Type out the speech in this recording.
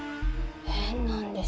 変なんです。